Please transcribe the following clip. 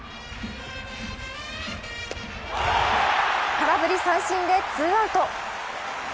空振り三振でツーアウト。